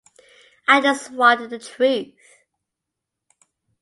I just wanted the truth.